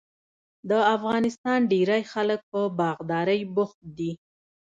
د افغانستان ډیری خلک په باغدارۍ بوخت دي.